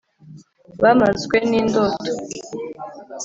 bamazwe n’indoto